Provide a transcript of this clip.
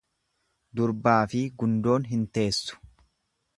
Durbaafi gundoon hin teessu.